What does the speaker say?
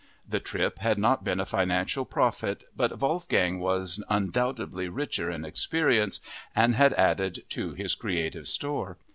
The trip had not been a financial profit, but Wolfgang was undoubtedly richer in experience and had added to his creative store.